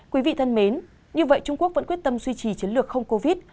quý vị thân mến như vậy trung quốc vẫn quyết tâm duy trì chiến lược không covid